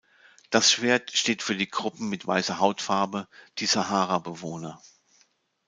Das Schwert steht für die Gruppen mit weißer Hautfarbe, die Sahara-Bewohner.